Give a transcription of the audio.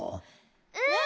うん。